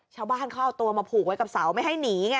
ชาวบ้านเขาเอาตัวมาผูกไว้กับเสาไม่ให้หนีไง